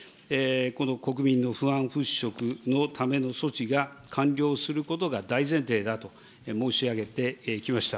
この国民の不安払拭のための措置が完了することが大前提だと申し上げてきました。